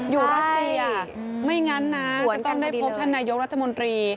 อยู่รัฐสตรีอ่ะไม่งั้นนะจะต้องได้พบธนายกรัฐมนตรี